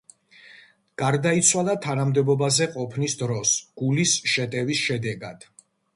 გარდაიცვალა თანამდებობაზე ყოფნის დროს, გულის შეტევის შედეგად.